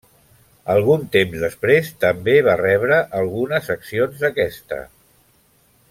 Algun temps després també va rebre algunes accions d'aquesta.